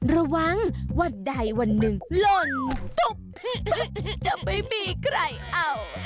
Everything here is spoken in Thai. ระวังวันใดวันหนึ่งหล่นตุ๊บจะไม่มีใครเอา